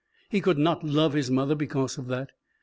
He could not love his mother because of that.